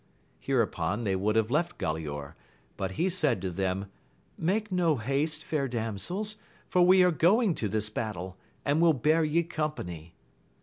Hereupon they would have left Galaor, but he said to them, make no haste, fair damsels, for we are going to this battle, and will bear ye company.